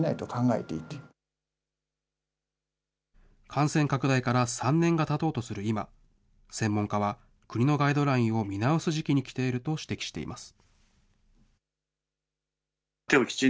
感染拡大から３年がたとうとする今、専門家は、国のガイドラインを見直す時期に来ていると指摘しています。